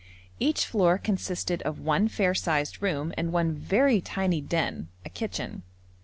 Each floor consisted of one fair sized room and one very tiny den, a kitchen.